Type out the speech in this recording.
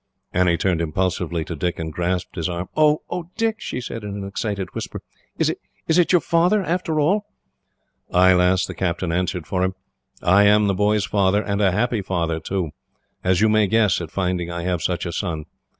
Annie turned impulsively to Dick, and grasped his arm. "Oh, Dick," she said, in an excited whisper. "Is it is it your father, after all?" "Ay, lass," the captain answered for him. "I am the boy's father, and a happy father, too, as you may guess, at finding I have such a son.